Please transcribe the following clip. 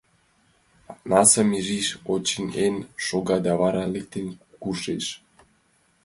Акнашым изиш онче-ен шога да вара лектын куржеш.